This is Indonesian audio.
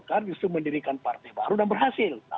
golkar justru mendirikan partai baru dan berhasil